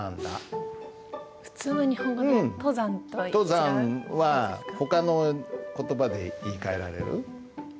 「登山」はほかの言葉で言いかえられる？